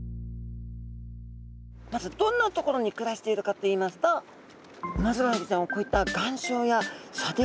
まずどんな所に暮らしているかといいますとウマヅラハギちゃんはこういった岩礁や砂泥底に暮らしてるんですね。